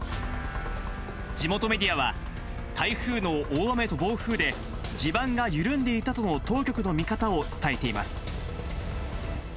地元メディアは、台風の大雨と暴風で、地盤が緩んでいたとの当局の見方を伝えています。